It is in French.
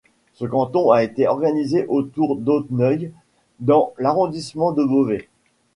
Ce canton a été organisé autour d'Auneuil dans l'arrondissement de Beauvais.